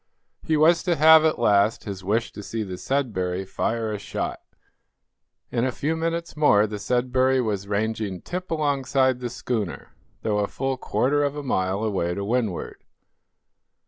He was to have, at last, his wish to see the "Sudbury" fire a shot. In a few minutes more the "Sudbury" was ranging tip alongside the schooner, though a full quarter of a mile away to windward.